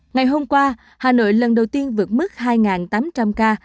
ngày hôm qua hà nội lần đầu tiên vượt mức hai tám trăm linh ca